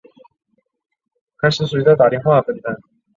长尖突紫堇为罂粟科紫堇属下的一个种。